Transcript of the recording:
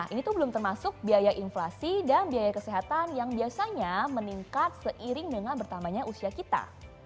ini tuh belum termasuk biaya inflasi dan biaya kesehatan yang biasanya meningkat seiring dengan bertambahnya usia kita